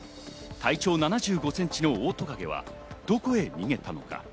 体長７５ｃｍのオオトカゲはどこへ逃げたのか。